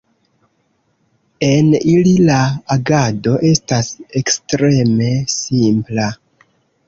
En ili la agado estas ekstreme simpla.